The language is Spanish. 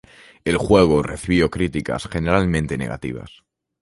El juego recibió críticas generalmente negativas.